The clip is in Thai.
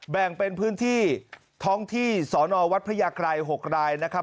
แบ่งเป็นพื้นที่ท้องที่สอนอวัดพระยากรัย๖รายนะครับ